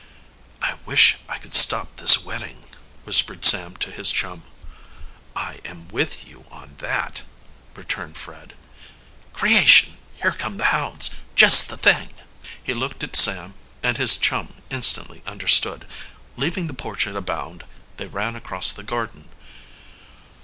"I wish I could stop this wedding," whispered Sam to his chum. "I am with you on that," returned Fred. "Creation, here come the hounds! Just the thing!" He looked at Sam, and his chum, instantly understood. Leaving the porch at a bound, they ran across the garden.